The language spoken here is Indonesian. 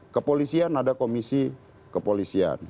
kepolisian ada komisi kepolisian